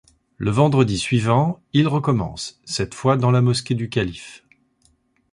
Le vendredi suivant, ils recommencent, cette fois dans la mosquée du calife.